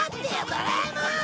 ドラえもん！